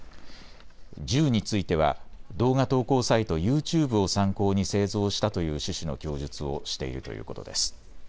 銃については動画投稿サイト、ＹｏｕＴｕｂｅを参考に製造したという趣旨の供述をしているということです。